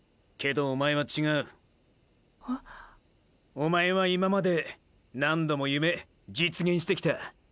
おまえは今まで何度も夢実現してきた。